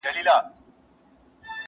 اوس د مطرب ستوني کي نسته پرونۍ سندري!!